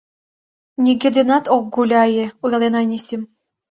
— Нигӧ денат ок гуляе, — ойлен Анисим